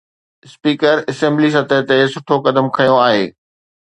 Speaker assembly سطح تي سٺو قدم کنيو آهي.